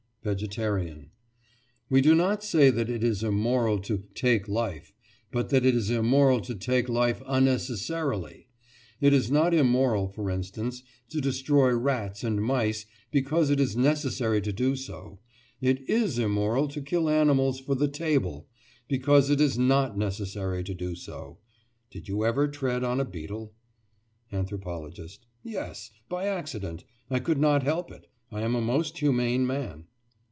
VEGETARIAN: We do not say that it is immoral to "take life," but that it is immoral to take life unnecessarily. It is not immoral, for instance, to destroy rats and mice, because it is necessary to do so. It is immoral to kill animals for the table, because it is not necessary to do so. Did you ever tread on a beetle? ANTHROPOLOGIST: Yes, by accident. I could not help it. I am a most humane man.